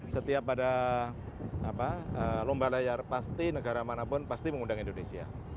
setiap ada lomba layar pasti negara manapun pasti mengundang indonesia